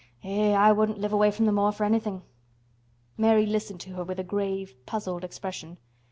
Eh! I wouldn't live away from th' moor for anythin'." Mary listened to her with a grave, puzzled expression.